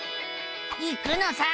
行くのさ！